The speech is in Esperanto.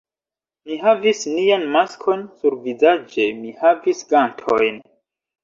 Mi havis nian maskon survizaĝe, mi havis gantojn.